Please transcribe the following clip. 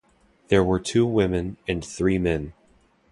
There were two women and three men.